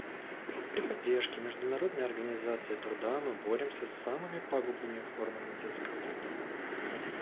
При поддержке Международной организации труда мы боремся с самыми пагубными формами детского труда.